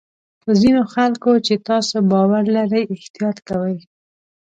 په ځینو خلکو چې تاسو باور لرئ احتیاط کوئ.